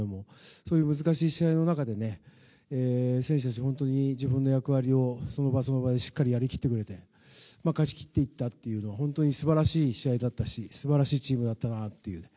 そういう難しい試合の中で選手たちは本当に自分の役割を、その場その場でしっかりやり切ってくれて勝ち切っていったというのは本当に素晴らしい試合だったし素晴らしいチームだったなと。